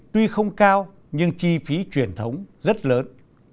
tuy không cao nhưng chi phí truyền thống rất lớn